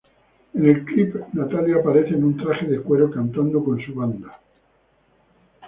En el clip, Natalia aparece en un traje de cuero cantando con su "banda".